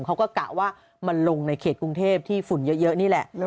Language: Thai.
กะว่ามันลงในเขตกรุงเทพที่ฝุ่นเยอะนี่แหละ